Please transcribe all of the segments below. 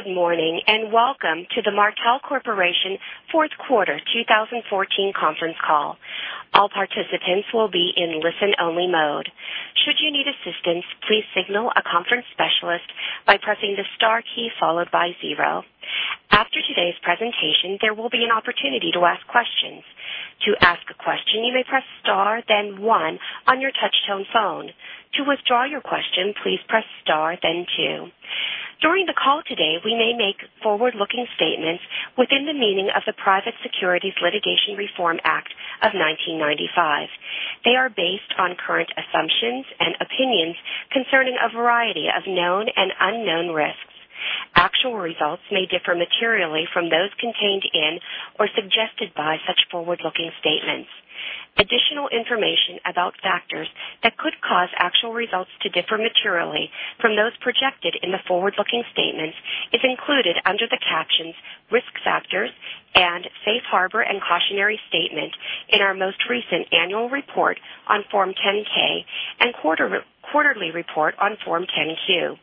Good morning, and welcome to the Markel Corporation Fourth Quarter 2014 conference call. All participants will be in listen-only mode. Should you need assistance, please signal a conference specialist by pressing the star key followed by zero. After today's presentation, there will be an opportunity to ask questions. To ask a question, you may press star then one on your touch-tone phone. To withdraw your question, please press star, then two. During the call today, we may make forward-looking statements within the meaning of the Private Securities Litigation Reform Act of 1995. They are based on current assumptions and opinions concerning a variety of known and unknown risks. Actual results may differ materially from those contained in or suggested by such forward-looking statements. Additional information about factors that could cause actual results to differ materially from those projected in the forward-looking statements is included under the captions "Risk Factors" and "Safe Harbor and Cautionary Statement" in our most recent annual report on Form 10-K and quarterly report on Form 10-Q.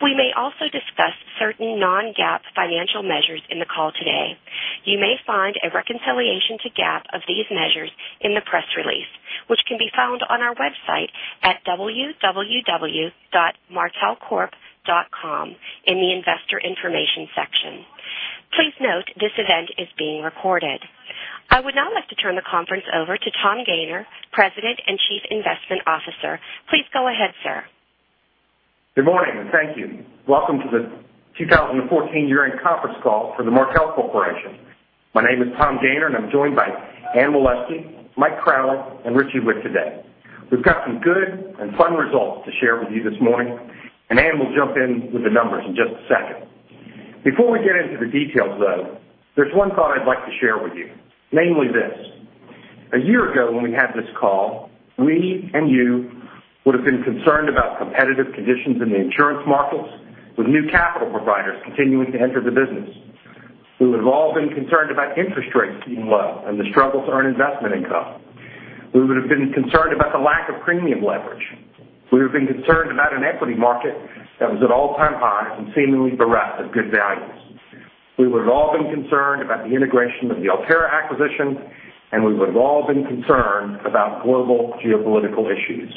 We may also discuss certain non-GAAP financial measures in the call today. You may find a reconciliation to GAAP of these measures in the press release, which can be found on our website at www.markelcorp.com in the investor information section. Please note this event is being recorded. I would now like to turn the conference over to Tom Gayner, President and Chief Investment Officer. Please go ahead, sir. Good morning, thank you. Welcome to the 2014 year-end conference call for the Markel Corporation. My name is Tom Gayner, and I'm joined by Anne Waleski, Mike Crowley, and Richie Whitt today. We've got some good and fun results to share with you this morning, and Anne will jump in with the numbers in just a second. Before we get into the details, though, there's one thought I'd like to share with you, namely this. A year ago, when we had this call, we and you would've been concerned about competitive conditions in the insurance markets with new capital providers continuing to enter the business. We would've all been concerned about interest rates being low and the struggle to earn investment income. We would've been concerned about the lack of premium leverage. We would've been concerned about an equity market that was at all-time highs and seemingly bereft of good values. We would've all been concerned about the integration of the Alterra acquisition, and we would've all been concerned about global geopolitical issues.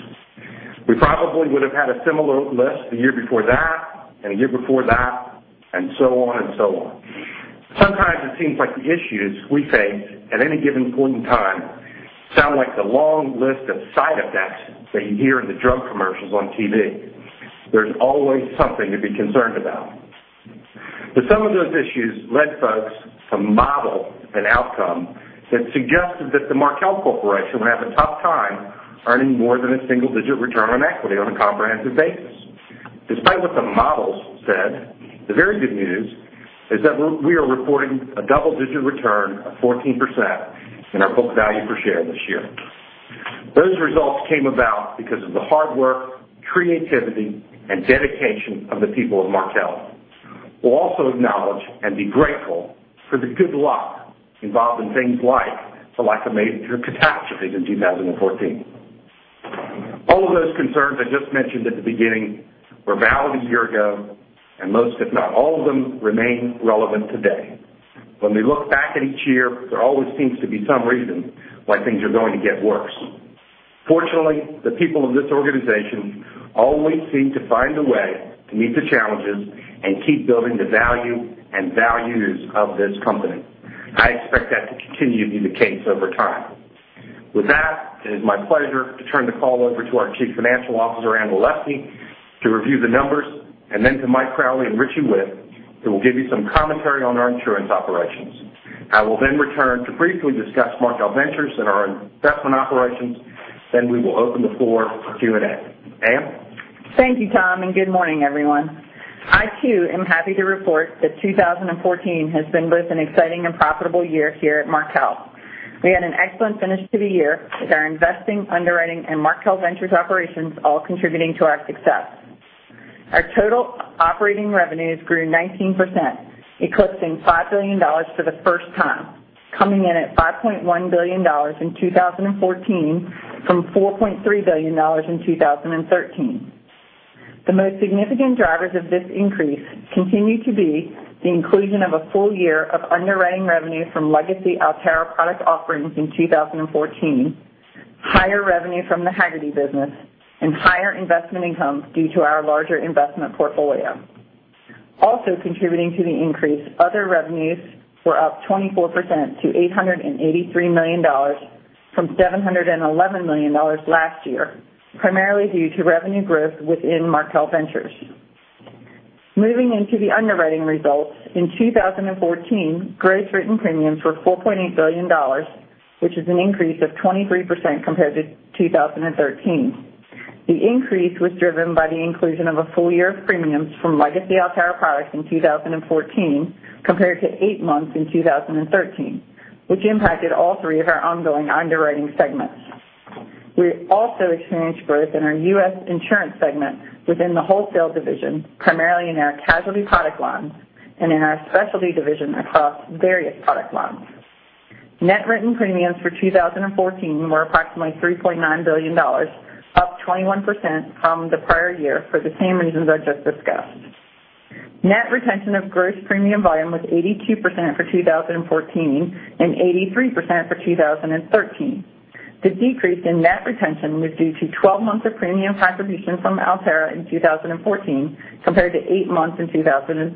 We probably would've had a similar list the year before that, and the year before that, and so on and so on. Sometimes it seems like the issues we face at any given point in time sound like the long list of side effects that you hear in the drug commercials on TV. There's always something to be concerned about. Some of those issues led folks to model an outcome that suggested that the Markel Corporation would have a tough time earning more than a single-digit return on equity on a comprehensive basis. Despite what the models said, the very good news is that we are reporting a double-digit return of 14% in our book value per share this year. Those results came about because of the hard work, creativity, and dedication of the people of Markel. We will also acknowledge and be grateful for the good luck involved in things like the lack of major catastrophes in 2014. All of those concerns I just mentioned at the beginning were valid a year ago, and most, if not all of them, remain relevant today. When we look back at each year, there always seems to be some reason why things are going to get worse. Fortunately, the people in this organization always seem to find a way to meet the challenges and keep building the value and values of this company. I expect that to continue to be the case over time. With that, it is my pleasure to turn the call over to our Chief Financial Officer, Anne G. Waleski, to review the numbers, and then to Mike Crowley and Richie Whitt, who will give you some commentary on our insurance operations. I will then return to briefly discuss Markel Ventures and our investment operations. We will open the floor for Q&A. Anne? Thank you, Tom, and good morning, everyone. I, too, am happy to report that 2014 has been both an exciting and profitable year here at Markel. We had an excellent finish to the year with our investing, underwriting, and Markel Ventures operations all contributing to our success. Our total operating revenues grew 19%, eclipsing $5 billion for the first time, coming in at $5.1 billion in 2014 from $4.3 billion in 2013. The most significant drivers of this increase continue to be the inclusion of a full year of underwriting revenue from legacy Alterra product offerings in 2014, higher revenue from the Hagerty business, and higher investment income due to our larger investment portfolio. Also contributing to the increase, other revenues were up 24% to $883 million from $711 million last year, primarily due to revenue growth within Markel Ventures. Moving into the underwriting results, in 2014, gross written premiums were $4.8 billion, which is an increase of 23% compared to 2013. The increase was driven by the inclusion of a full year of premiums from legacy Alterra products in 2014 compared to eight months in 2013, which impacted all three of our ongoing underwriting segments. We also experienced growth in our U.S. insurance segment within the wholesale division, primarily in our casualty product lines and in our specialty division across various product lines. Net written premiums for 2014 were approximately $3.9 billion, up 21% from the prior year for the same reasons I just discussed. Net retention of gross premium volume was 82% for 2014 and 83% for 2013. The decrease in net retention was due to 12 months of premium contributions from Alterra in 2014 compared to eight months in 2013.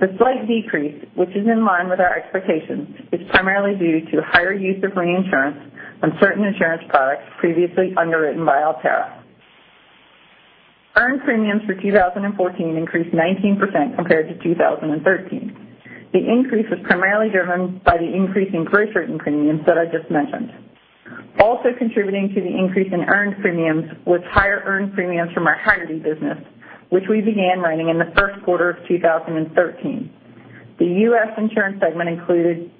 The slight decrease, which is in line with our expectations, is primarily due to higher use of reinsurance on certain insurance products previously underwritten by Alterra. Earned premiums for 2014 increased 19% compared to 2013. The increase was primarily driven by the increase in gross written premiums that I just mentioned. Also contributing to the increase in earned premiums was higher earned premiums from our Hagerty business, which we began running in the first quarter of 2013. The U.S. insurance segment included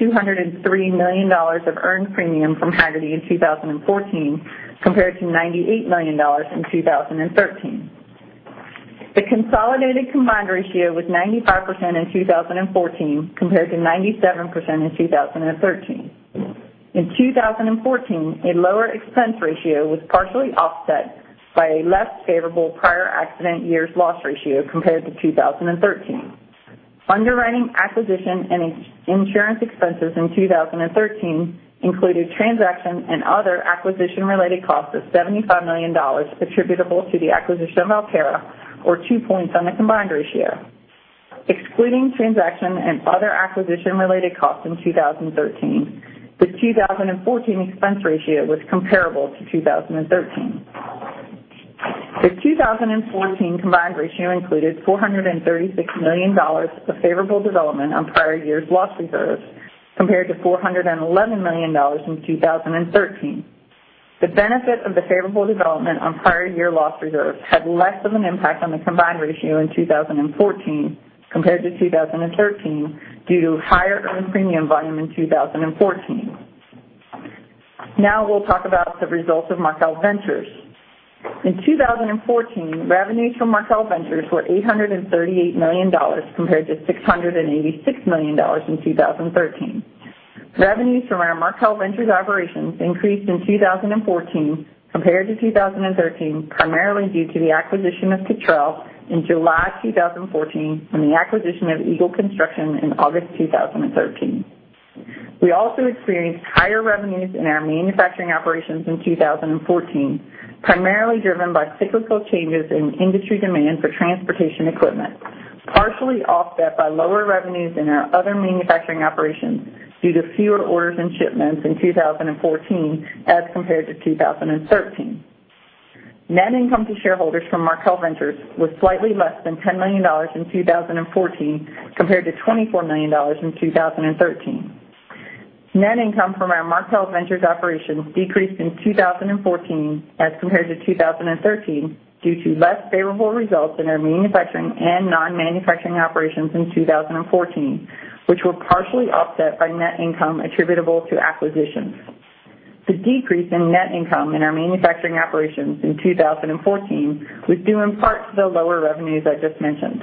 $203 million of earned premium from Hagerty in 2014 compared to $98 million in 2013. The consolidated combined ratio was 95% in 2014 compared to 97% in 2013. In 2014, a lower expense ratio was partially offset by a less favorable prior accident year's loss ratio compared to 2013. Underwriting acquisition and insurance expenses in 2013 included transaction and other acquisition-related costs of $75 million attributable to the acquisition of Alterra, or two points on the combined ratio. Excluding transaction and other acquisition-related costs in 2013, the 2014 expense ratio was comparable to 2013. The 2014 combined ratio included $436 million of favorable development on prior years' loss reserves, compared to $411 million in 2013. The benefit of the favorable development on prior year loss reserves had less of an impact on the combined ratio in 2014 compared to 2013 due to higher earned premium volume in 2014. We'll talk about the results of Markel Ventures. In 2014, revenues from Markel Ventures were $838 million compared to $686 million in 2013. Revenues from our Markel Ventures operations increased in 2014 compared to 2013, primarily due to the acquisition of Cottrell in July 2014 and the acquisition of Eagle Construction in August 2013. We also experienced higher revenues in our manufacturing operations in 2014, primarily driven by cyclical changes in industry demand for transportation equipment, partially offset by lower revenues in our other manufacturing operations due to fewer orders and shipments in 2014 as compared to 2013. Net income to shareholders from Markel Ventures was slightly less than $10 million in 2014 compared to $24 million in 2013. Net income from our Markel Ventures operations decreased in 2014 as compared to 2013 due to less favorable results in our manufacturing and non-manufacturing operations in 2014, which were partially offset by net income attributable to acquisitions. The decrease in net income in our manufacturing operations in 2014 was due in part to the lower revenues I just mentioned.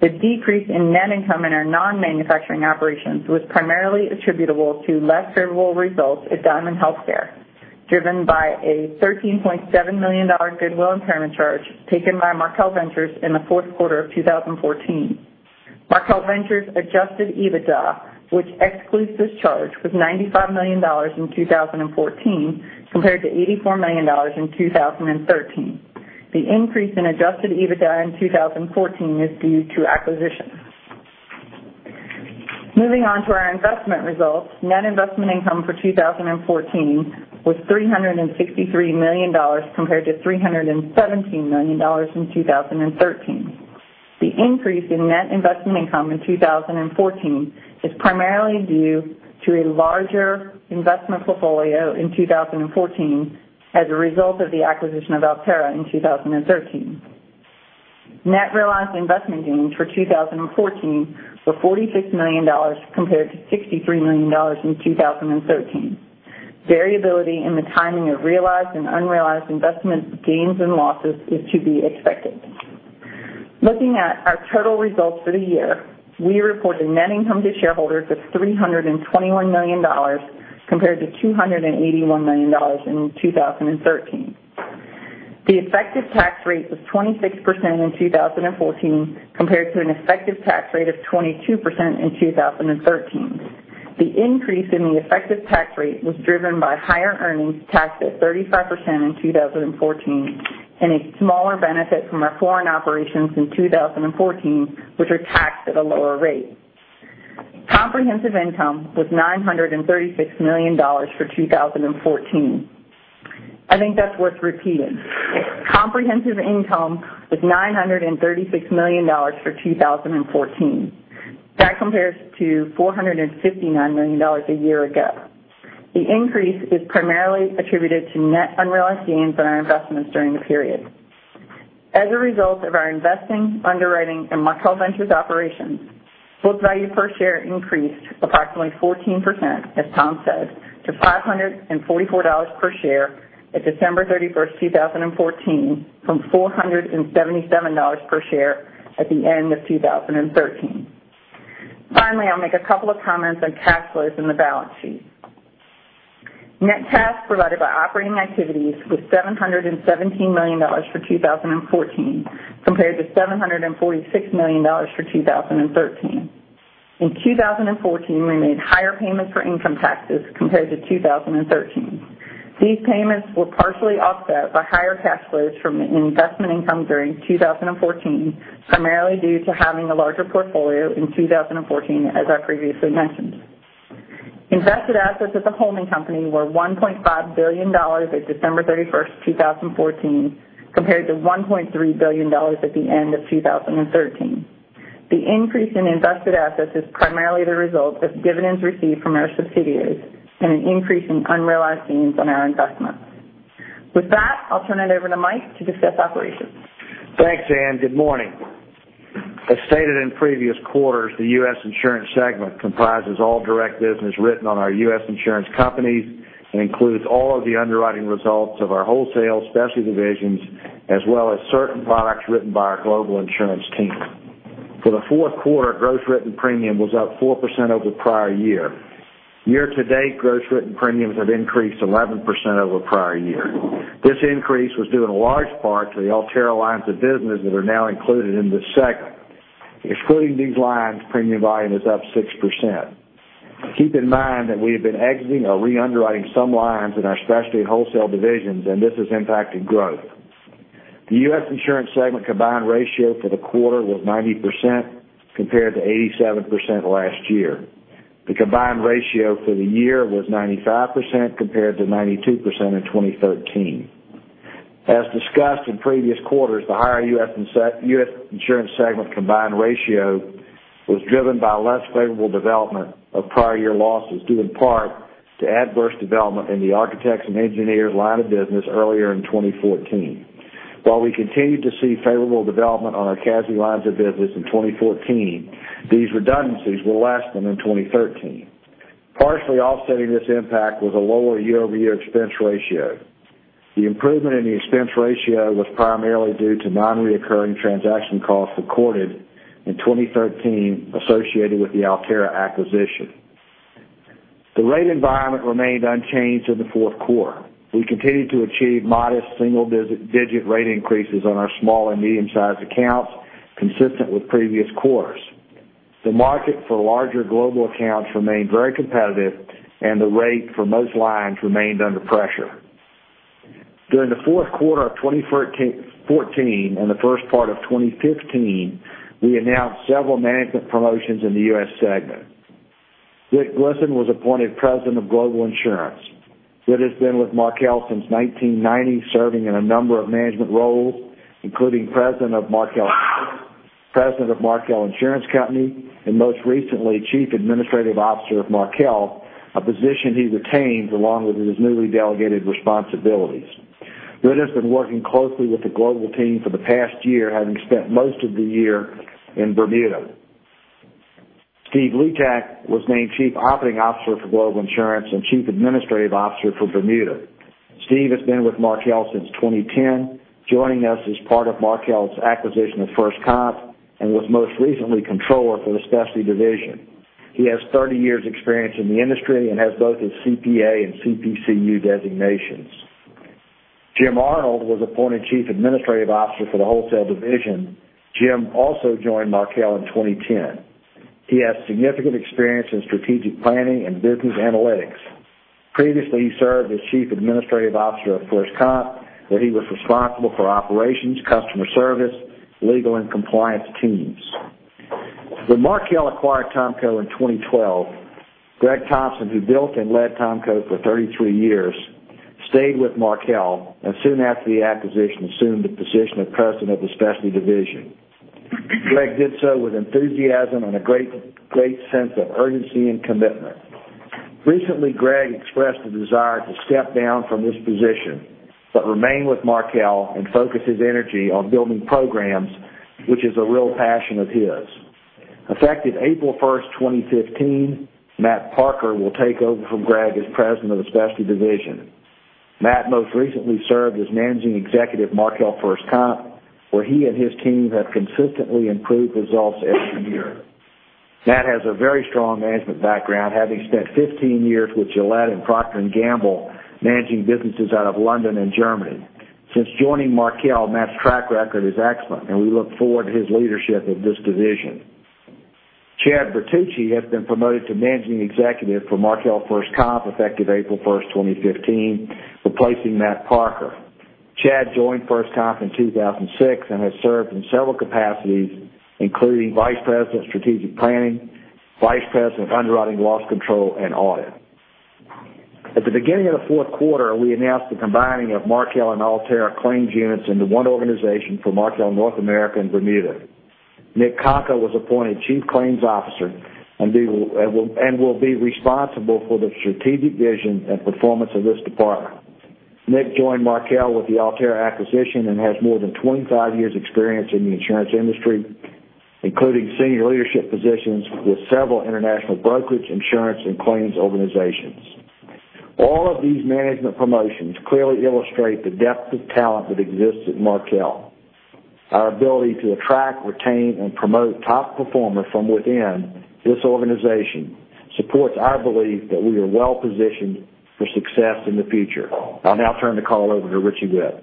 The decrease in net income in our non-manufacturing operations was primarily attributable to less favorable results at Diamond Healthcare, driven by a $13.7 million goodwill impairment charge taken by Markel Ventures in the fourth quarter of 2014. Markel Ventures adjusted EBITDA, which excludes this charge, was $95 million in 2014 compared to $84 million in 2013. The increase in adjusted EBITDA in 2014 is due to acquisitions. Moving on to our investment results. Net investment income for 2014 was $363 million compared to $317 million in 2013. The increase in net investment income in 2014 is primarily due to a larger investment portfolio in 2014 as a result of the acquisition of Alterra in 2013. Net realized investment gains for 2014 were $46 million compared to $63 million in 2013. Variability in the timing of realized and unrealized investment gains and losses is to be expected. Looking at our total results for the year, we reported net income to shareholders of $321 million compared to $281 million in 2013. The effective tax rate was 26% in 2014 compared to an effective tax rate of 22% in 2013. The increase in the effective tax rate was driven by higher earnings taxed at 35% in 2014 and a smaller benefit from our foreign operations in 2014, which are taxed at a lower rate. Comprehensive income was $936 million for 2014. I think that's worth repeating. Comprehensive income was $936 million for 2014. That compares to $459 million a year ago. The increase is primarily attributed to net unrealized gains on our investments during the period. As a result of our investing, underwriting, and Markel Ventures operations, book value per share increased approximately 14%, as Tom said, to $544 per share at December 31st, 2014, from $477 per share at the end of 2013. Finally, I'll make a couple of comments on cash flows in the balance sheet. Net cash provided by operating activities was $717 million for 2014 compared to $746 million for 2013. In 2014, we made higher payments for income taxes compared to 2013. These payments were partially offset by higher cash flows from investment income during 2014, primarily due to having a larger portfolio in 2014, as I previously mentioned. Invested assets as a holding company were $1.5 billion at December 31st, 2014 compared to $1.3 billion at the end of 2013. The increase in invested assets is primarily the result of dividends received from our subsidiaries and an increase in unrealized gains on our investments. With that, I'll turn it over to Mike to discuss operations. Thanks, Anne. Good morning. As stated in previous quarters, the U.S. Insurance segment comprises all direct business written on our U.S. insurance companies and includes all of the underwriting results of our wholesale specialty divisions, as well as certain products written by our global insurance team. For the fourth quarter, gross written premium was up 4% over the prior year. Year-to-date gross written premiums have increased 11% over the prior year. This increase was due in large part to the Alterra lines of business that are now included in this segment. Excluding these lines, premium volume is up 6%. Keep in mind that we have been exiting or re-underwriting some lines in our specialty wholesale divisions. This is impacting growth. The U.S. Insurance segment combined ratio for the quarter was 90% compared to 87% last year. The combined ratio for the year was 95% compared to 92% in 2013. As discussed in previous quarters, the higher U.S. Insurance segment combined ratio was driven by less favorable development of prior year losses, due in part to adverse development in the architects and engineers line of business earlier in 2014. While we continued to see favorable development on our casualty lines of business in 2014, these redundancies were less than in 2013. Partially offsetting this impact was a lower year-over-year expense ratio. The improvement in the expense ratio was primarily due to non-recurring transaction costs recorded in 2013 associated with the Alterra acquisition. The rate environment remained unchanged in the fourth quarter. We continued to achieve modest single-digit rate increases on our small and medium-sized accounts consistent with previous quarters. The market for larger global accounts remained very competitive, and the rate for most lines remained under pressure. During the fourth quarter of 2014 and the first part of 2015, we announced several management promotions in the U.S. segment. Sid Glisson was appointed President of Global Insurance. Sid has been with Markel since 1990, serving in a number of management roles, including President of Markel Insurance Company, and most recently, Chief Administrative Officer of Markel, a position he retains along with his newly delegated responsibilities. Sid has been working closely with the global team for the past year, having spent most of the year in Bermuda. Steve Lutak was named Chief Operating Officer for Global Insurance and Chief Administrative Officer for Bermuda. Steve has been with Markel since 2010, joining us as part of Markel's acquisition of FirstComp, and was most recently controller for the Specialty Division. He has 30 years experience in the industry and has both his CPA and CPCU designations. Jim Arnold was appointed Chief Administrative Officer for the Wholesale Division. Jim also joined Markel in 2010. He has significant experience in strategic planning and business analytics. Previously, he served as Chief Administrative Officer of FirstComp, where he was responsible for operations, customer service, legal and compliance teams. When Markel acquired THOMCO in 2012, Greg Thompson, who built and led THOMCO for 33 years, stayed with Markel, and soon after the acquisition, assumed the position of President of the Specialty Division. Greg did so with enthusiasm and a great sense of urgency and commitment. Recently, Greg expressed the desire to step down from this position but remain with Markel and focus his energy on building programs, which is a real passion of his. Effective April 1st, 2015, Matt Parker will take over from Greg as President of Specialty Division. Matt most recently served as Managing Executive Markel FirstComp, where he and his team have consistently improved results every year. Matt has a very strong management background, having spent 15 years with Gillette and Procter & Gamble managing businesses out of London and Germany. Since joining Markel, Matt's track record is excellent, and we look forward to his leadership of this division. Chad Bertucci has been promoted to Managing Executive for Markel FirstComp effective April 1st, 2015, replacing Matt Parker. Chad joined FirstComp in 2006 and has served in several capacities, including Vice President of Strategic Planning, Vice President of Underwriting Loss Control, and Audit. At the beginning of the fourth quarter, we announced the combining of Markel and Alterra claims units into one organization for Markel North America and Bermuda. Nick Coco was appointed Chief Claims Officer and will be responsible for the strategic vision and performance of this department. Nick joined Markel with the Alterra acquisition and has more than 25 years experience in the insurance industry, including senior leadership positions with several international brokerage insurance and claims organizations. All of these management promotions clearly illustrate the depth of talent that exists at Markel. Our ability to attract, retain, and promote top performers from within this organization supports our belief that we are well-positioned for success in the future. I'll now turn the call over to Richie Whitt.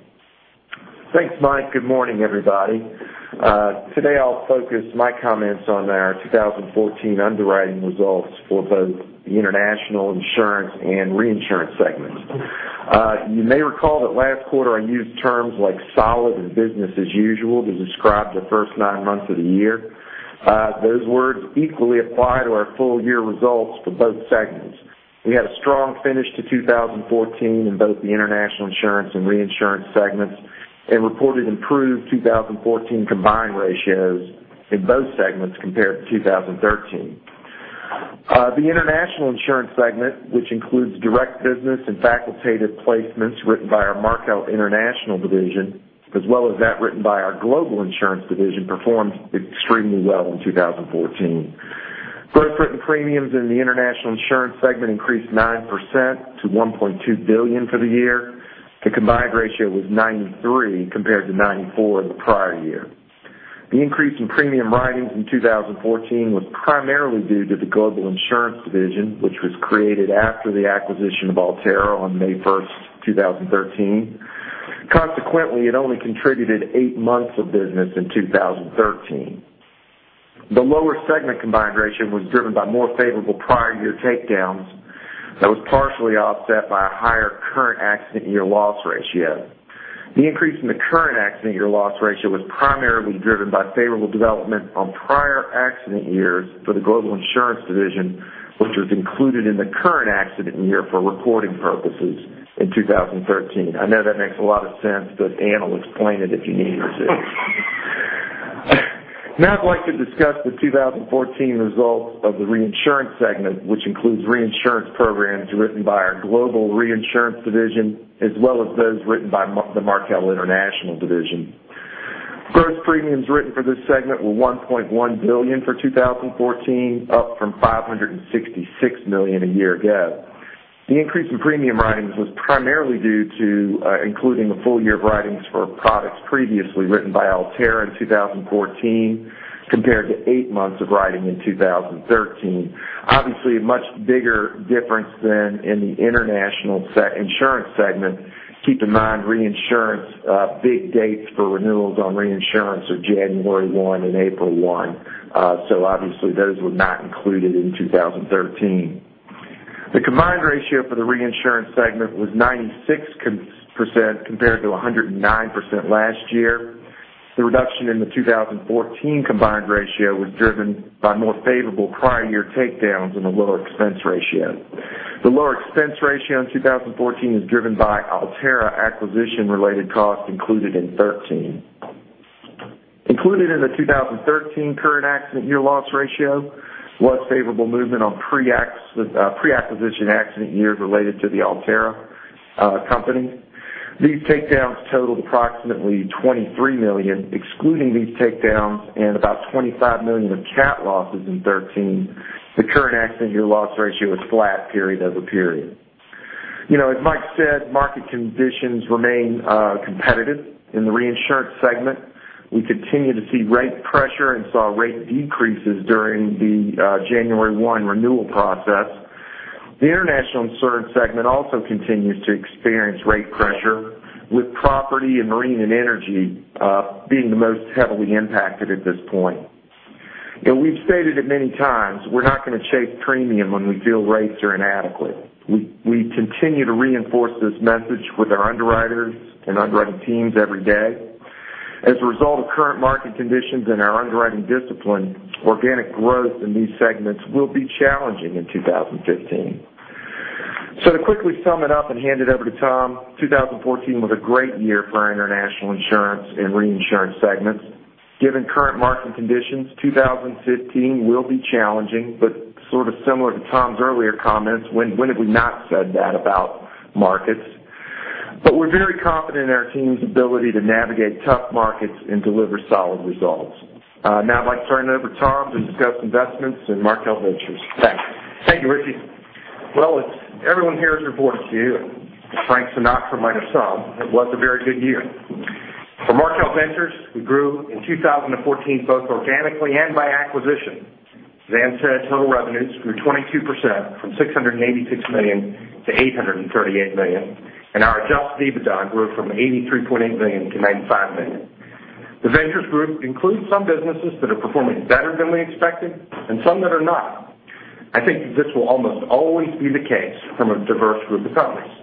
Thanks, Mike. Good morning, everybody. Today, I'll focus my comments on our 2014 underwriting results for both the international insurance and reinsurance segments. You may recall that last quarter I used terms like solid and business as usual to describe the first nine months of the year. Those words equally apply to our full year results for both segments. We had a strong finish to 2014 in both the international insurance and reinsurance segments and reported improved 2014 combined ratios in both segments compared to 2013. The international insurance segment, which includes direct business and facultative placements written by our Markel International division, as well as that written by our Global Insurance Division, performed extremely well in 2014. Gross written premiums in the international insurance segment increased 9% to $1.2 billion for the year. The combined ratio was 93% compared to 94% the prior year. The increase in premium writings in 2014 was primarily due to the Global Insurance Division, which was created after the acquisition of Alterra on May 1st, 2013. It only contributed eight months of business in 2013. The lower segment combined ratio was driven by more favorable prior year takedowns that was partially offset by a higher current accident year loss ratio. The increase in the current accident year loss ratio was primarily driven by favorable development on prior accident years for the Global Insurance Division, which was included in the current accident year for reporting purposes in 2013. I know that makes a lot of sense, but Anne will explain it if you need her to. I'd like to discuss the 2014 results of the reinsurance segment, which includes reinsurance programs written by our Global Reinsurance Division as well as those written by the Markel International division. Gross premiums written for this segment were $1.1 billion for 2014, up from $566 million a year ago. The increase in premium writings was primarily due to including a full year of writings for products previously written by Alterra in 2014 compared to eight months of writing in 2013. A much bigger difference than in the international insurance segment. Keep in mind reinsurance big dates for renewals on reinsurance are January 1 and April 1. Those were not included in 2013. The combined ratio for the reinsurance segment was 96% compared to 109% last year. The reduction in the 2014 combined ratio was driven by more favorable prior year takedowns and a lower expense ratio. The lower expense ratio in 2014 is driven by Alterra acquisition related costs included in 2013. Included in the 2013 current accident year loss ratio was favorable movement on pre-acquisition accident years related to the Alterra. These takedowns totaled approximately $23 million, excluding these takedowns and about $25 million of cat losses in 2013. The current accident year loss ratio is flat period over period. As Mike said, market conditions remain competitive in the reinsurance segment. We continue to see rate pressure and saw rate decreases during the January 1 renewal process. The international insurance segment also continues to experience rate pressure with property and marine and energy being the most heavily impacted at this point. We've stated it many times, we're not going to chase premium when we feel rates are inadequate. We continue to reinforce this message with our underwriters and underwriting teams every day. As a result of current market conditions and our underwriting discipline, organic growth in these segments will be challenging in 2015. To quickly sum it up and hand it over to Tom, 2014 was a great year for our international insurance and reinsurance segments. Given current market conditions, 2015 will be challenging, sort of similar to Tom's earlier comments, when have we not said that about markets? We're very confident in our team's ability to navigate tough markets and deliver solid results. Now I'd like to turn it over to Tom to discuss investments in Markel Ventures. Thanks. Thank you, Richie. As everyone here has reported to you, Frank Sinatra might have sung, it was a very good year. For Markel Ventures, we grew in 2014, both organically and by acquisition. As Anne said, total revenues grew 22% from $686 million to $838 million, and our adjusted EBITDA grew from $83.8 million to $95 million. The Ventures group includes some businesses that are performing better than we expected and some that are not. I think that this will almost always be the case from a diverse group of companies.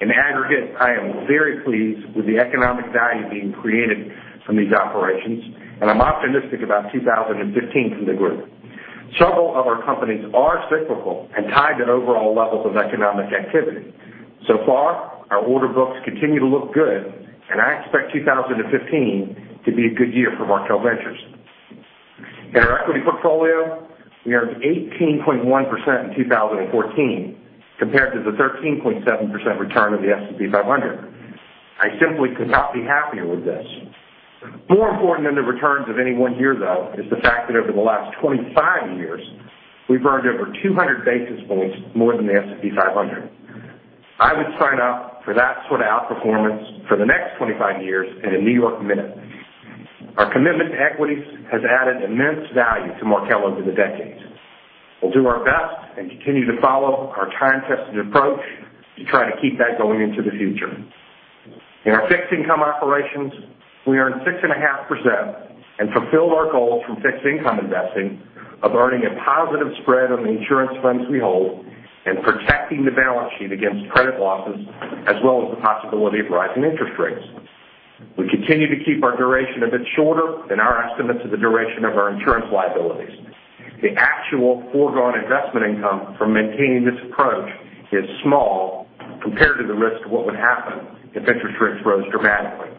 In aggregate, I am very pleased with the economic value being created from these operations, and I'm optimistic about 2015 from the group. Several of our companies are cyclical and tied to overall levels of economic activity. So far, our order books continue to look good, and I expect 2015 to be a good year for Markel Ventures. In our equity portfolio, we earned 18.1% in 2014 compared to the 13.7% return of the S&P 500. I simply could not be happier with this. More important than the returns of any one year, though, is the fact that over the last 25 years, we've earned over 200 basis points more than the S&P 500. I would sign up for that sort of outperformance for the next 25 years in a New York minute. Our commitment to equities has added immense value to Markel over the decades. We'll do our best and continue to follow our time-tested approach to try to keep that going into the future. In our fixed income operations, we earned 6.5% and fulfilled our goals from fixed income investing of earning a positive spread on the insurance funds we hold and protecting the balance sheet against credit losses, as well as the possibility of rising interest rates. We continue to keep our duration a bit shorter than our estimates of the duration of our insurance liabilities. The actual foregone investment income from maintaining this approach is small compared to the risk of what would happen if interest rates rose dramatically.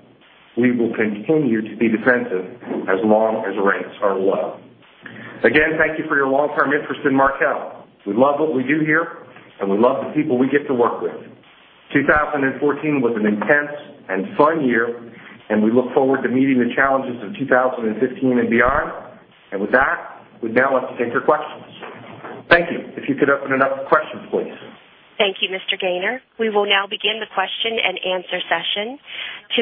We will continue to be defensive as long as rates are low. Again, thank you for your long-term interest in Markel. We love what we do here, and we love the people we get to work with. 2014 was an intense and fun year, and we look forward to meeting the challenges of 2015 and beyond. With that, we'd now like to take your questions. Thank you. If you could open it up for questions, please. Thank you, Mr. Gayner. We will now begin the question and answer session.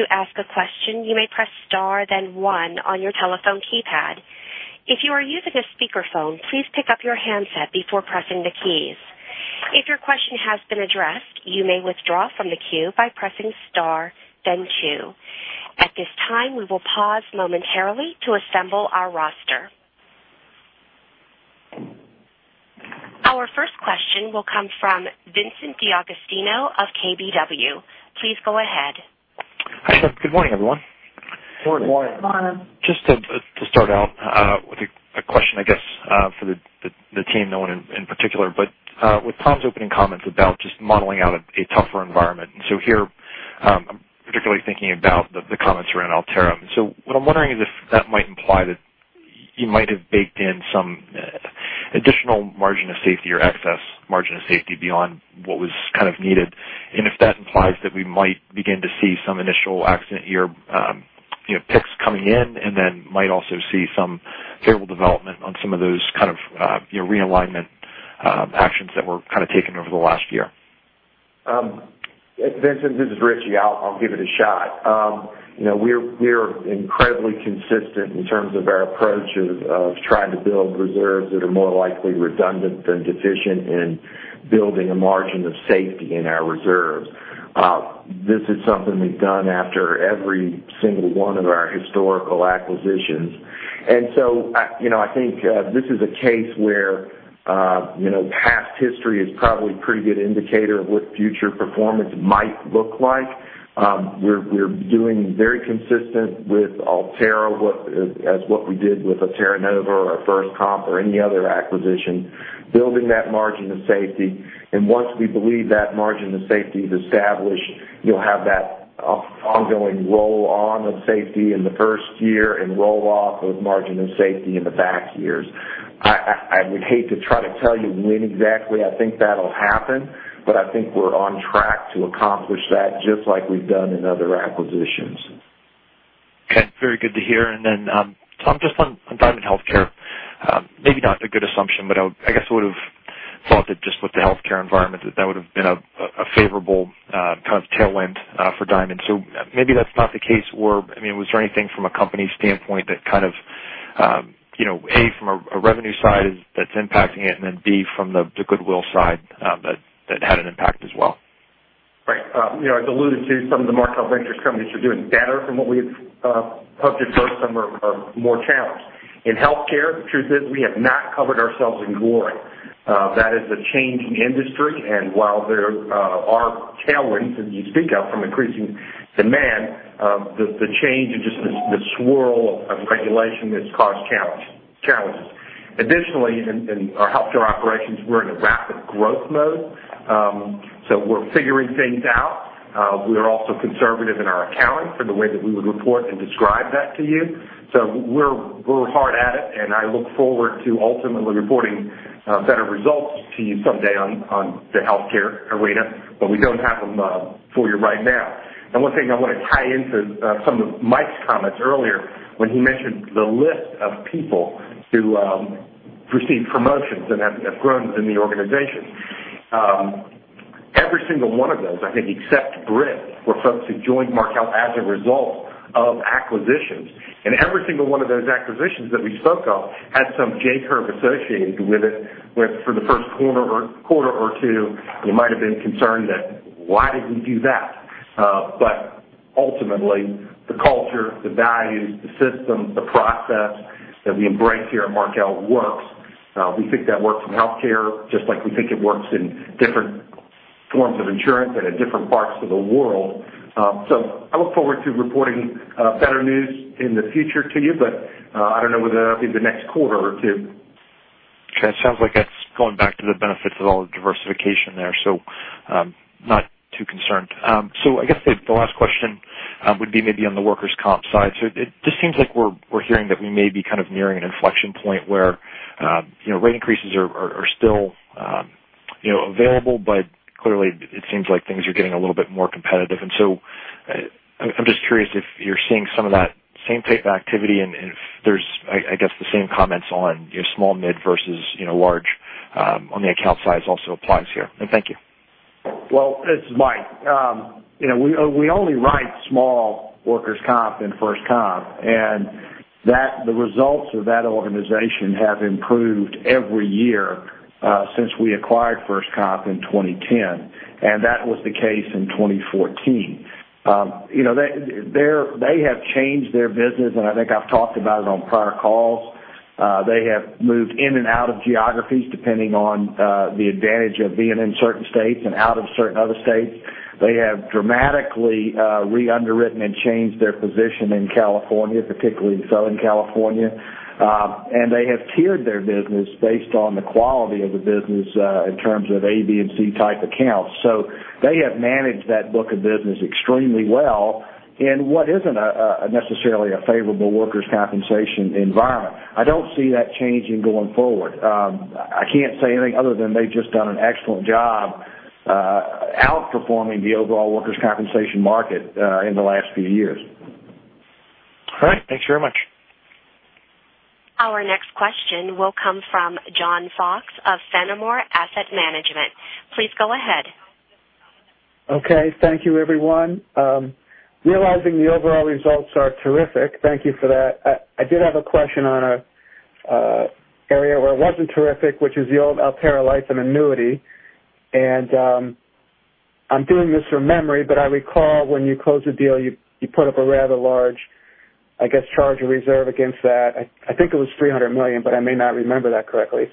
To ask a question, you may press star then one on your telephone keypad. If you are using a speakerphone, please pick up your handset before pressing the keys. If your question has been addressed, you may withdraw from the queue by pressing star then two. At this time, we will pause momentarily to assemble our roster. Our first question will come from Vincent D'Agostino of KBW. Please go ahead. Good morning, everyone. Good morning. Good morning. Just to start out with a question, I guess, for the team, no one in particular, but with Tom's opening comments about just modeling out a tougher environment, and so here I'm particularly thinking about the comments around Alterra. What I'm wondering is if that might imply that you might have baked in some additional margin of safety or excess margin of safety beyond what was kind of needed, and if that implies that we might begin to see some initial accident year picks coming in, and then might also see some favorable development on some of those kind of realignment actions that were kind of taken over the last year. Vincent, this is Richie. I'll give it a shot. We're incredibly consistent in terms of our approach of trying to build reserves that are more likely redundant than deficient in building a margin of safety in our reserves. This is something we've done after every single one of our historical acquisitions. I think this is a case where past history is probably a pretty good indicator of what future performance might look like. We're doing very consistent with Alterra as what we did with Terra Nova or our FirstComp or any other acquisition, building that margin of safety. Once we believe that margin of safety is established, you'll have that ongoing roll-on of safety in the first year and roll-off of margin of safety in the back years. I would hate to try to tell you when exactly I think that'll happen, but I think we're on track to accomplish that just like we've done in other acquisitions. Okay. Very good to hear. Tom, just on Diamond Healthcare, maybe not a good assumption, but I guess I would've thought that just with the healthcare environment, that that would've been a favorable kind of tailwind for Diamond. Maybe that's not the case, or, I mean, was there anything from a company standpoint that kind of, A, from a revenue side that's impacting it, and then B, from the goodwill side that had an impact as well? Right. As alluded to, some of the Markel Ventures companies are doing better from what we've touched on. Some are more challenged. In healthcare, the truth is we have not covered ourselves in glory. That is a changing industry, and while there are tailwinds, as you speak of, from increasing demand, the change and just the swirl of regulation has caused challenges. Additionally, in our healthcare operations, we're in a rapid growth mode, we're figuring things out. We're also conservative in our accounting for the way that we would report and describe that to you. We're hard at it, and I look forward to ultimately reporting better results to you someday on the healthcare arena, but we don't have them for you right now. One thing I want to tie into some of Mike's comments earlier when he mentioned the list of people who received promotions and have grown within the organization. Every single one of those, I think except Brit, were folks who joined Markel as a result of acquisitions. Every single one of those acquisitions that we spoke of had some J-curve associated with it, where for the first quarter or two, you might've been concerned that why did we do that? Ultimately, the culture, the values, the systems, the process that we embrace here at Markel works. We think that works in healthcare, just like we think it works in different forms of insurance and in different parts of the world. I look forward to reporting better news in the future to you, but I don't know whether that'll be in the next quarter or two. It sounds like that's going back to the benefits of all the diversification there, so not too concerned. I guess the last question would be maybe on the workers' comp side. It just seems like we're hearing that we may be kind of nearing an inflection point where rate increases are still available, but clearly it seems like things are getting a little bit more competitive. I'm just curious if you're seeing some of that same type of activity, and if there's, I guess, the same comments on your small mid versus large on the account size also applies here. Thank you. Well, this is Mike. We only write small workers' comp and FirstComp, and the results of that organization have improved every year since we acquired FirstComp in 2010, and that was the case in 2014. They have changed their business, and I think I've talked about it on prior calls. They have moved in and out of geographies depending on the advantage of being in certain states and out of certain other states. They have dramatically re-underwritten and changed their position in California, particularly in Southern California. They have tiered their business based on the quality of the business, in terms of A, B, and C type accounts. They have managed that book of business extremely well in what isn't necessarily a favorable workers' compensation environment. I don't see that changing going forward. I can't say anything other than they've just done an excellent job outperforming the overall workers' compensation market in the last few years. All right. Thanks very much. Our next question will come from John Fox of Fenimore Asset Management. Please go ahead. Okay. Thank you, everyone. Realizing the overall results are terrific, thank you for that. I did have a question on an area where it wasn't terrific, which is the old Alterra Life and Annuity. I'm doing this from memory, but I recall when you closed the deal, you put up a rather large, I guess, charge or reserve against that. I think it was $300 million, but I may not remember that correctly.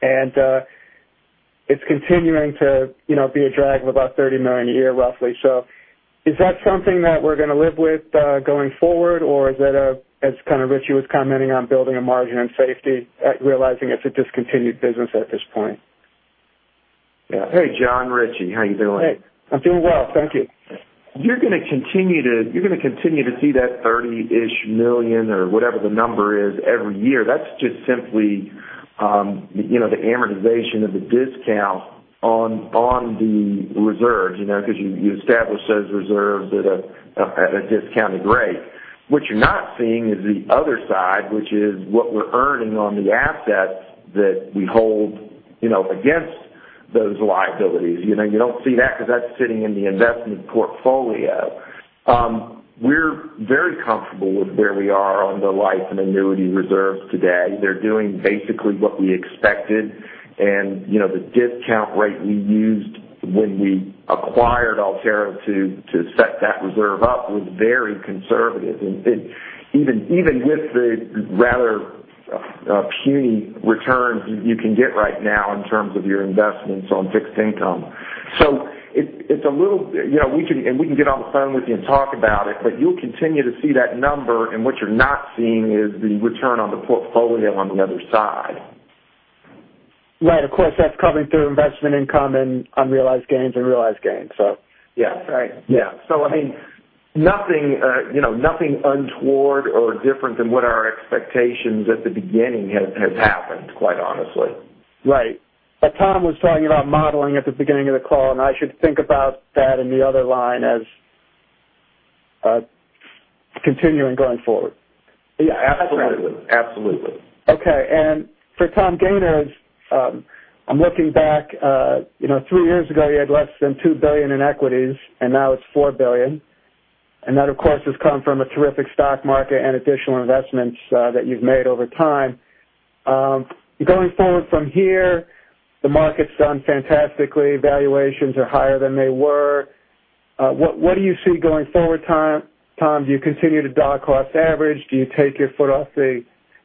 It's continuing to be a drag of about $30 million a year, roughly. Is that something that we're going to live with going forward, or is that, as kind of Richie was commenting on building a margin and safety, realizing it's a discontinued business at this point? Hey, John. Richie, how you doing? Hey. I'm doing well. Thank you. You're going to continue to see that $30 million-ish or whatever the number is every year. That's just simply the amortization of the discount on the reserves, because you established those reserves at a discounted rate. What you're not seeing is the other side, which is what we're earning on the assets that we hold against those liabilities. You don't see that because that's sitting in the investment portfolio. We're very comfortable with where we are on the life and annuity reserves today. They're doing basically what we expected, and the discount rate we used when we acquired Alterra to set that reserve up was very conservative. Even with the rather puny returns you can get right now in terms of your investments on fixed income. We can get on the phone with you and talk about it, but you'll continue to see that number, and what you're not seeing is the return on the portfolio on the other side. Right. Of course, that's coming through investment income and unrealized gains and realized gains. Yeah. Right. Yeah. I mean, nothing untoward or different than what our expectations at the beginning have happened, quite honestly. Right. Tom was talking about modeling at the beginning of the call, and I should think about that in the other line as continuing going forward. Yeah. Absolutely. Okay. For Tom Gayner's, I'm looking back. Three years ago, you had less than $2 billion in equities, and now it's $4 billion. That, of course, has come from a terrific stock market and additional investments that you've made over time. Going forward from here, the market's done fantastically. Valuations are higher than they were. What do you see going forward, Tom? Do you continue to dollar-cost average? Do you take your foot off the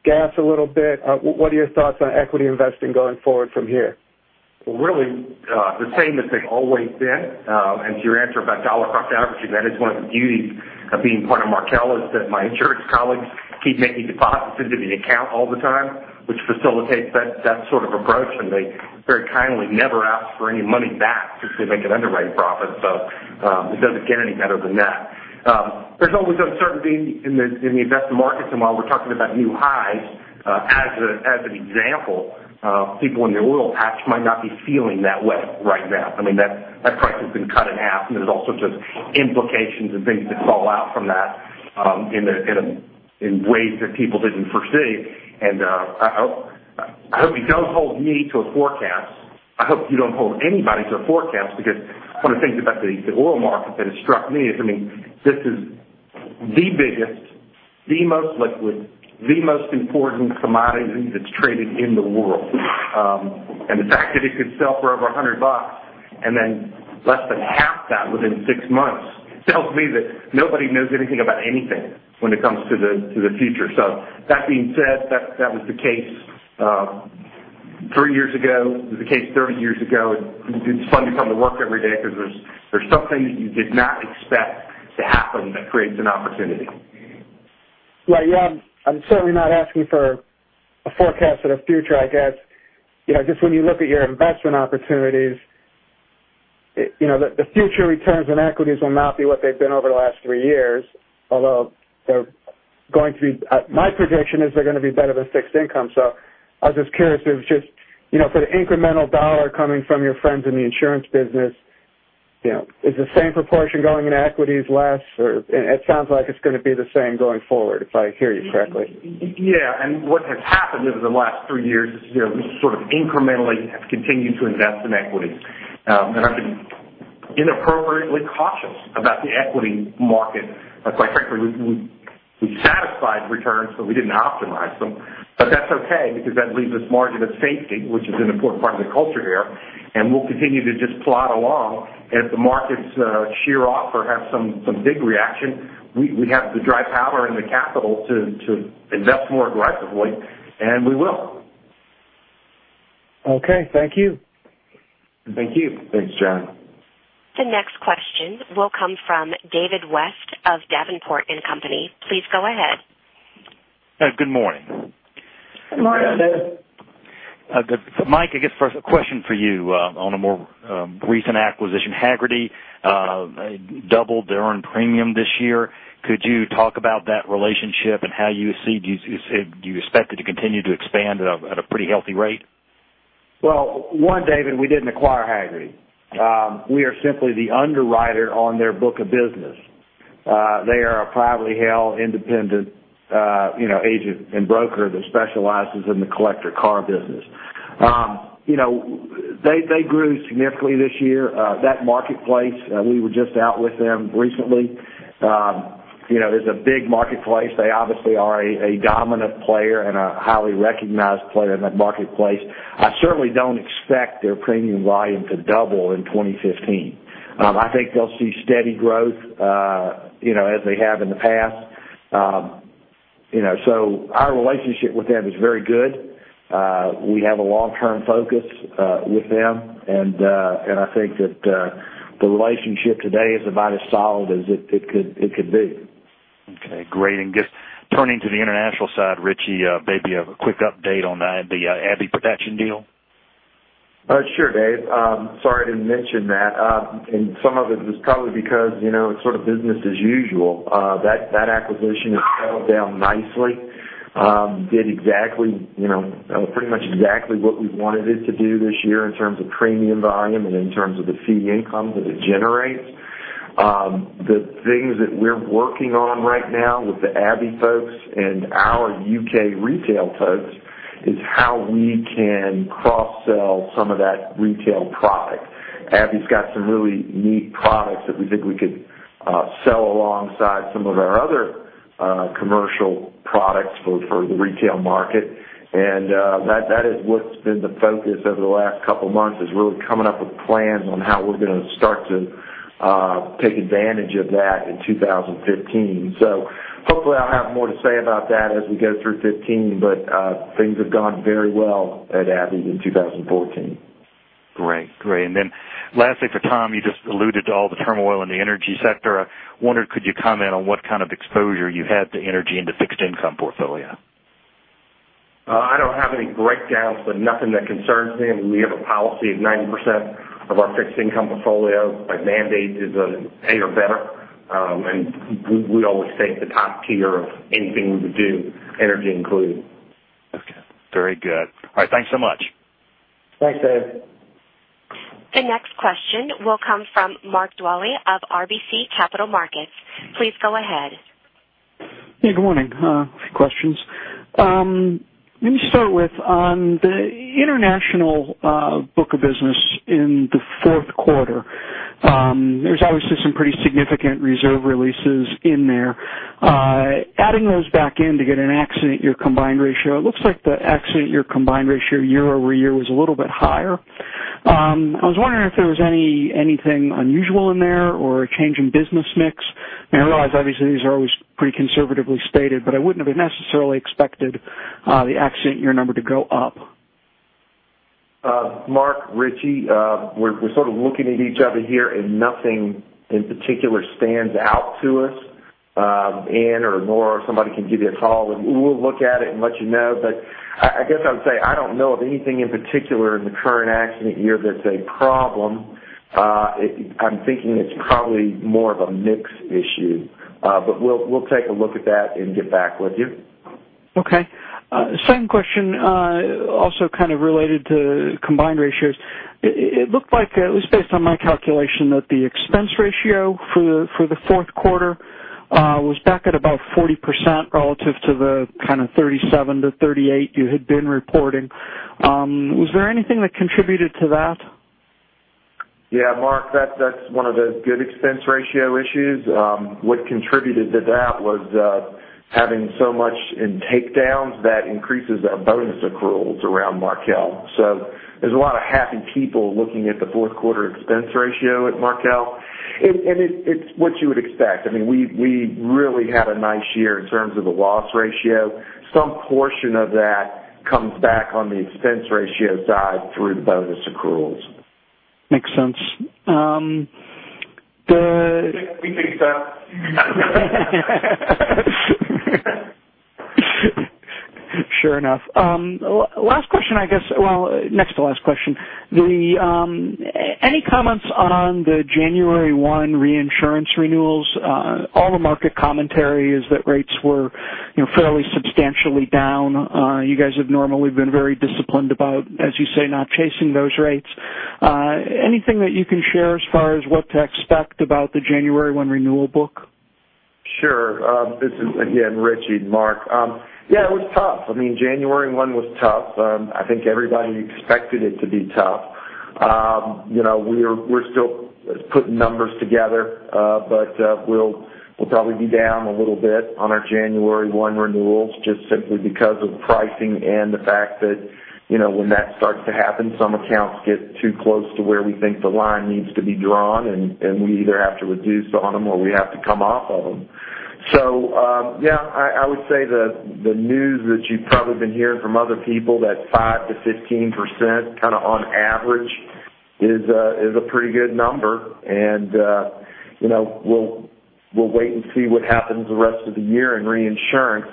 gas a little bit? What are your thoughts on equity investing going forward from here? Well, really, the same as they've always been. To your answer about dollar-cost averaging, that is one of the beauties of being part of Markel, is that my insurance colleagues keep making deposits into the account all the time, which facilitates that sort of approach, and they very kindly never ask for any money back if they make an underwriting profit. It doesn't get any better than that. There's always uncertainty in the investment markets, and while we're talking about new highs, as an example, people in the oil patch might not be feeling that way right now. I mean, that price has been cut in half, and there's all sorts of implications and things that fall out from that in ways that people didn't foresee. I hope you don't hold me to a forecast. I hope you don't hold anybody to a forecast because one of the things about the oil market that has struck me is, I mean, this is the biggest, the most liquid, the most important commodity that's traded in the world. The fact that it could sell for over $100 and then less than half that within 6 months tells me that nobody knows anything about anything when it comes to the future. That being said, that was the case 3 years ago, it was the case 30 years ago. It's fun to come to work every day because there's something that you did not expect to happen that creates an opportunity. Right. I'm certainly not asking for a forecast of the future, I guess. Just when you look at your investment opportunities, the future returns on equities will not be what they've been over the last 3 years, although they're My prediction is they're going to be better than fixed income. I was just curious if for the incremental $ coming from your friends in the insurance business, is the same proportion going into equities less? It sounds like it's going to be the same going forward, if I hear you correctly. Yeah. What has happened over the last 3 years is we sort of incrementally have continued to invest in equities. I've been inappropriately cautious about the equity market. Quite frankly, we satisfied returns, but we didn't optimize them. That's okay because that leaves us margin of safety, which is an important part of the culture here, and we'll continue to just plod along. If the markets sheer off or have some big reaction, we have the dry powder and the capital to invest more aggressively, and we will. Okay. Thank you. Thank you. Thanks, John. The next question will come from David West of Davenport & Company. Please go ahead. Good morning. Good morning, David. Mike, I guess, first a question for you on a more recent acquisition. Hagerty doubled their earned premium this year. Could you talk about that relationship and do you expect it to continue to expand at a pretty healthy rate? Well, one, David, we didn't acquire Hagerty. We are simply the underwriter on their book of business. They are a privately held independent agent and broker that specializes in the collector car business. They grew significantly this year. That marketplace, we were just out with them recently. There's a big marketplace. They obviously are a dominant player and a highly recognized player in that marketplace. I certainly don't expect their premium volume to double in 2015. I think they'll see steady growth as they have in the past. Our relationship with them is very good. We have a long-term focus with them, and I think that the relationship today is about as solid as it could be. Okay, great. Just turning to the international side, Richie, maybe a quick update on the Abbey Protection deal. Sure, Dave. Sorry I didn't mention that. Some of it is probably because it's sort of business as usual. That acquisition has settled down nicely. Did pretty much exactly what we wanted it to do this year in terms of premium volume and in terms of the fee income that it generates. The things that we're working on right now with the Abbey folks and our U.K. retail folks is how we can cross-sell some of that retail product. Abbey's got some really neat products that we think we could sell alongside some of our other commercial products for the retail market. That is what's been the focus over the last couple of months, is really coming up with plans on how we're going to start to take advantage of that in 2015. Hopefully I'll have more to say about that as we go through 2015. Things have gone very well at Abbey in 2014. Great. Lastly, for Tom, you just alluded to all the turmoil in the energy sector. I wondered, could you comment on what kind of exposure you had to energy in the fixed income portfolio? I don't have any breakdowns, but nothing that concerns me. I mean, we have a policy of 90% of our fixed income portfolio by mandate is A or better. We always stay at the top tier of anything we do, energy included. Okay. Very good. All right. Thanks so much. Thanks, Dave. The next question will come from Mark Dwelle of RBC Capital Markets. Please go ahead. Hey, good morning. A few questions. Let me start with on the international book of business in the fourth quarter. There's obviously some pretty significant reserve releases in there. Adding those back in to get an accident year combined ratio, looks like the accident year combined ratio year-over-year was a little bit higher. I was wondering if there was anything unusual in there or a change in business mix. I realize, obviously, these are always pretty conservatively stated, but I wouldn't have necessarily expected the accident year number to go up. Mark, Richie. We're sort of looking at each other here, nothing in particular stands out to us. Anne or Nora or somebody can give you a call, we'll look at it and let you know. I guess I would say, I don't know of anything in particular in the current accident year that's a problem. I'm thinking it's probably more of a mix issue. We'll take a look at that and get back with you. Okay. Second question, also kind of related to combined ratios. It looked like, at least based on my calculation, that the expense ratio for the fourth quarter was back at about 40% relative to the kind of 37%-38% you had been reporting. Was there anything that contributed to that? Yeah, Mark, that's one of those good expense ratio issues. What contributed to that was having so much in takedowns, that increases our bonus accruals around Markel. There's a lot of happy people looking at the fourth quarter expense ratio at Markel. It's what you would expect. I mean, we really had a nice year in terms of the loss ratio. Some portion of that comes back on the expense ratio side through bonus accruals. Makes sense. We think so. Sure enough. Last question, I guess. Well, next to last question. Any comments on the January 1 reinsurance renewals? All the market commentary is that rates were fairly substantially down. You guys have normally been very disciplined about, as you say, not chasing those rates. Anything that you can share as far as what to expect about the January 1 renewal book? Sure. This is, again, Richie, Mark. Yeah, it was tough. January 1 was tough. I think everybody expected it to be tough. We are still putting numbers together, but we will probably be down a little bit on our January 1 renewals, just simply because of the pricing and the fact that when that starts to happen, some accounts get too close to where we think the line needs to be drawn, and we either have to reduce on them or we have to come off of them. Yeah, I would say that the news that you have probably been hearing from other people, that 5%-15%, kind of on average, is a pretty good number. We will wait and see what happens the rest of the year in reinsurance.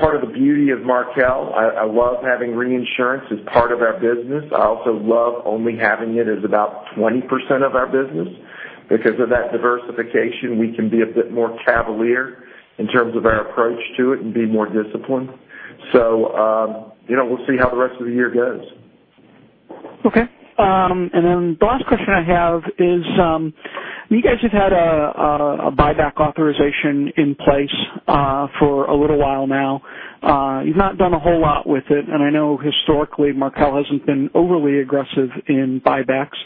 Part of the beauty of Markel, I love having reinsurance as part of our business. I also love only having it as about 20% of our business. Because of that diversification, we can be a bit more cavalier in terms of our approach to it and be more disciplined. We will see how the rest of the year goes. Okay. The last question I have is, you guys have had a buyback authorization in place for a little while now. You've not done a whole lot with it, and I know historically Markel hasn't been overly aggressive in buybacks.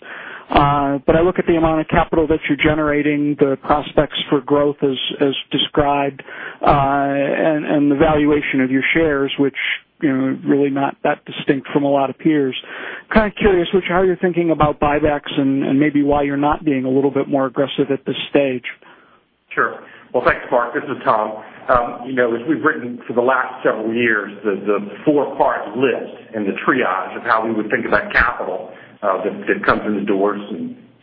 I look at the amount of capital that you're generating, the prospects for growth as described, and the valuation of your shares, which really not that distinct from a lot of peers. Kind of curious, how you're thinking about buybacks and maybe why you're not being a little bit more aggressive at this stage. Sure. Well, thanks, Mark. This is Tom. As we've written for the last several years, the four-part list and the triage of how we would think about capital that comes in the doors.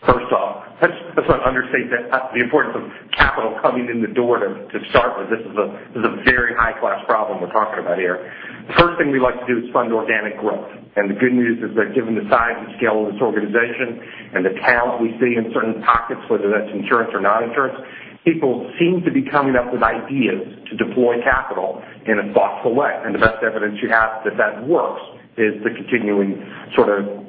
First off, let's not understate the importance of capital coming in the door to start with. This is a very high-class problem we're talking about here. The first thing we like to do is fund organic growth. The good news is that given the size and scale of this organization and the talent we see in certain pockets, whether that's insurance or non-insurance, people seem to be coming up with ideas to deploy capital in a thoughtful way. The best evidence you have that that works is the continuing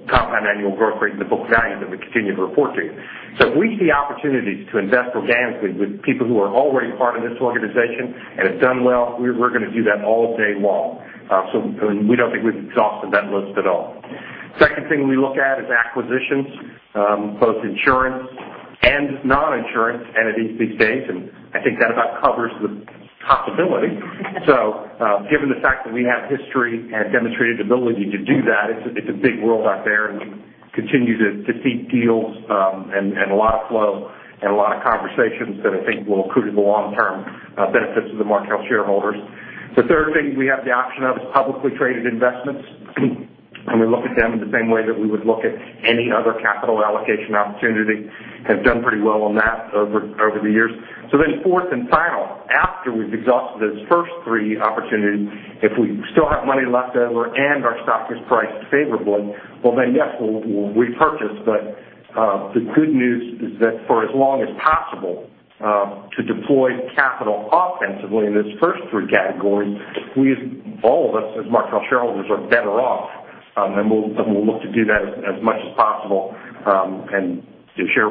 compound annual growth rate in the book of value that we continue to report to you. If we see opportunities to invest organically with people who are already part of this organization and have done well, we're going to do that all day long. We don't think we've exhausted that list at all. Second thing we look at is acquisitions, both insurance and non-insurance entities these days, and I think that about covers the possibility. Given the fact that we have history and demonstrated ability to do that, it's a big world out there, and we continue to see deals and a lot of flow and a lot of conversations that I think will accrue to the long-term benefits of the Markel shareholders. The third thing we have the option of is publicly traded investments, and we look at them in the same way that we would look at any other capital allocation opportunity. Have done pretty well on that over the years. Fourth and final, after we've exhausted those first three opportunities, if we still have money left over and our stock is priced favorably, well, then yes, we'll repurchase. The good news is that for as long as possible to deploy capital offensively in those first three categories, all of us as Markel shareholders are better off. We'll look to do that as much as possible, and share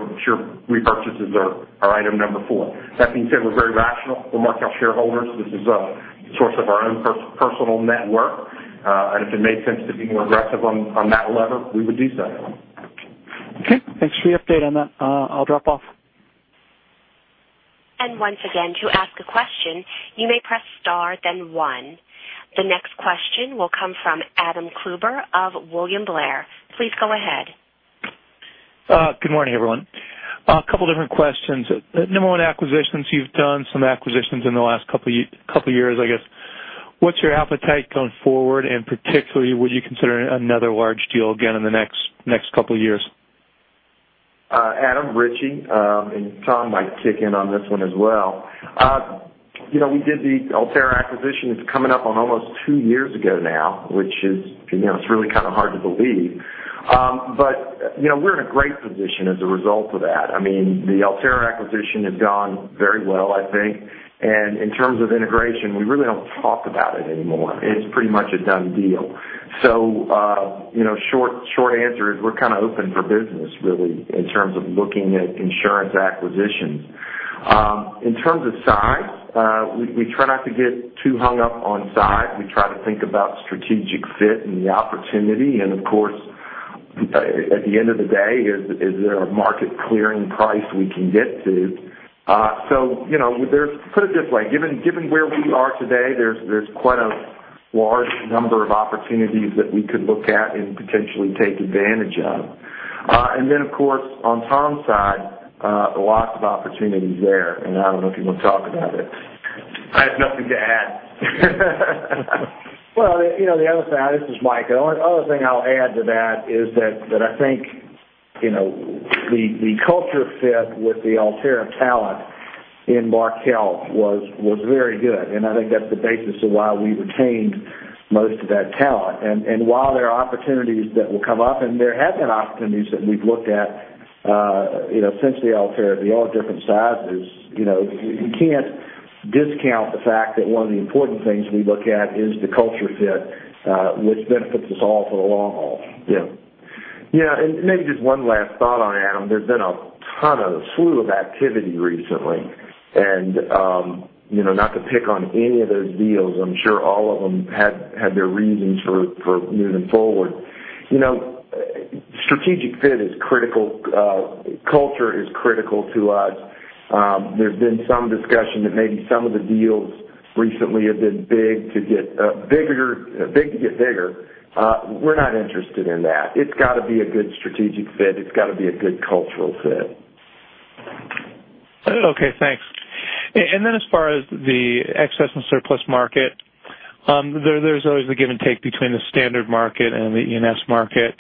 repurchases are item number 4. That being said, we're very rational. We're Markel shareholders. This is a source of our own personal net worth. If it made sense to be more aggressive on that lever, we would do so. Okay. Thanks for the update on that. I'll drop off. Once again, to ask a question, you may press star then one. The next question will come from Adam Klauber of William Blair. Please go ahead. Good morning, everyone. A couple different questions. Number 1, acquisitions. You've done some acquisitions in the last couple years, I guess. What's your appetite going forward, and particularly, would you consider another large deal again in the next couple years? Adam, Richie, and Tom might kick in on this one as well. We did the Alterra acquisition. It's coming up on almost two years ago now, which is really kind of hard to believe. We're in a great position as a result of that. The Alterra acquisition has gone very well, I think. In terms of integration, we really don't talk about it anymore. It's pretty much a done deal. Short answer is we're kind of open for business, really, in terms of looking at insurance acquisitions. In terms of size, we try not to get too hung up on size. We try to think about strategic fit and the opportunity. Of course, at the end of the day, is there a market clearing price we can get to? Put it this way, given where we are today, there's quite a large number of opportunities that we could look at and potentially take advantage of. Of course, on Tom's side, lots of opportunities there, and I don't know if you want to talk about it. I have nothing to add. The other thing, this is Mike. The only other thing I'll add to that is that I think The culture fit with the Alterra talent in Markel was very good, and I think that's the basis of why we retained most of that talent. While there are opportunities that will come up, and there have been opportunities that we've looked at since the Alterra deal, different sizes. You can't discount the fact that one of the important things we look at is the culture fit, which benefits us all for the long haul. Maybe just one last thought on Adam. There's been a ton of activity recently, not to pick on any of those deals, I'm sure all of them had their reasons for moving forward. Strategic fit is critical. Culture is critical to us. There's been some discussion that maybe some of the deals recently have been big to get bigger. We're not interested in that. It's got to be a good strategic fit. It's got to be a good cultural fit. Okay, thanks. Then as far as the excess and surplus market, there's always the give and take between the standard market and the E&S market.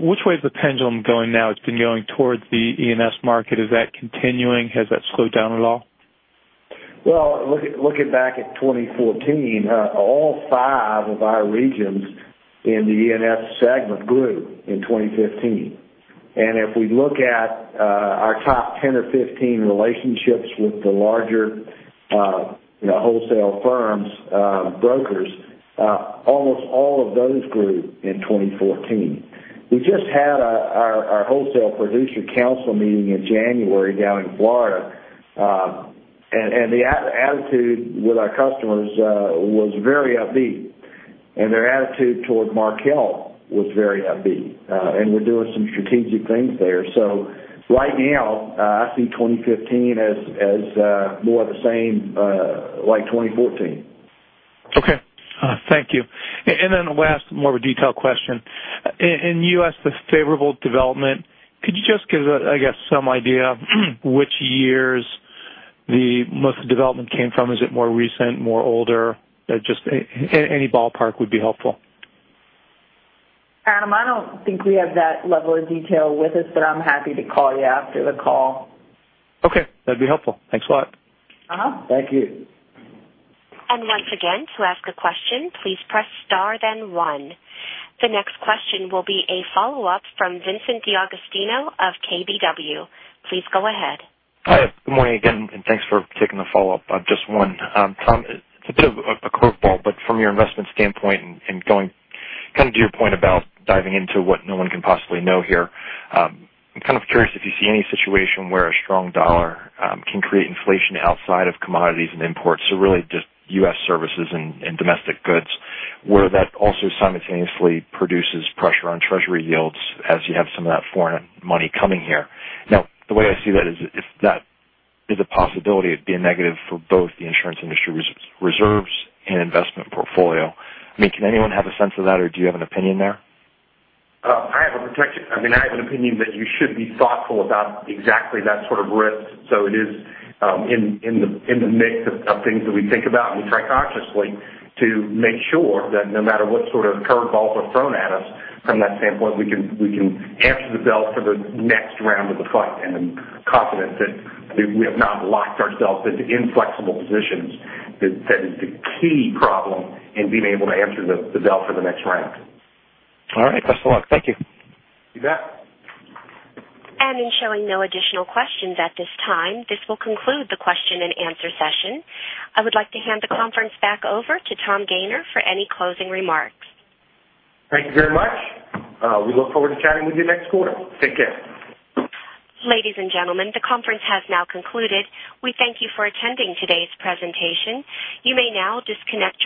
Which way is the pendulum going now? It's been going towards the E&S market. Is that continuing? Has that slowed down at all? Well, looking back at 2014, all five of our regions in the E&S segment grew in 2015. If we look at our top 10 or 15 relationships with the larger wholesale firms, brokers, almost all of those grew in 2014. We just had our wholesale producer council meeting in January down in Florida, the attitude with our customers was very upbeat, their attitude towards Markel was very upbeat. We're doing some strategic things there. Right now, I see 2015 as more of the same like 2014. Okay. Thank you. Then last, more of a detailed question. In U.S., the favorable development, could you just give, I guess, some idea which years the most development came from? Is it more recent, more older? Just any ballpark would be helpful. Adam, I don't think we have that level of detail with us, but I'm happy to call you after the call. Okay, that'd be helpful. Thanks a lot. Thank you. Once again, to ask a question, please press star then one. The next question will be a follow-up from Vincent D'Agostino of KBW. Please go ahead. Hi, good morning again, and thanks for taking the follow-up. Just one. Tom, from your investment standpoint and going kind of to your point about diving into what no one can possibly know here, I'm kind of curious if you see any situation where a strong dollar can create inflation outside of commodities and imports. Really just U.S. services and domestic goods, where that also simultaneously produces pressure on treasury yields as you have some of that foreign money coming here. The way I see that is if that is a possibility, it'd be a negative for both the insurance industry reserves and investment portfolio. Can anyone have a sense of that, or do you have an opinion there? I have an opinion that you should be thoughtful about exactly that sort of risk. It is in the mix of things that we think about, we try consciously to make sure that no matter what sort of curve balls are thrown at us from that standpoint, we can answer the bell for the next round of the fight and confident that we have not locked ourselves into inflexible positions. That is the key problem in being able to answer the bell for the next round. All right. Best of luck. Thank you. You bet. In showing no additional questions at this time, this will conclude the question and answer session. I would like to hand the conference back over to Tom Gayner for any closing remarks. Thank you very much. We look forward to chatting with you next quarter. Take care. Ladies and gentlemen, the conference has now concluded. We thank you for attending today's presentation. You may now disconnect.